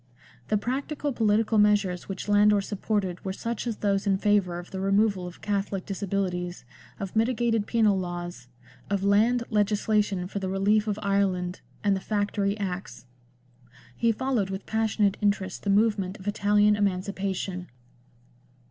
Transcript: The practical political measures which Landor supported were such as those in favour of the removal of Catholic disabilities, of mitigated penal laws, of land legisla tion for the relief of Ireland, and the Factory Acts. He followed with passionate interest the movement of Italian emancipation.